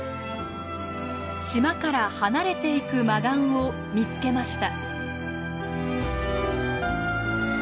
島から離れていくマガンを見つけました。